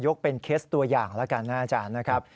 เป็นเคสตัวอย่างแล้วกันนะอาจารย์นะครับ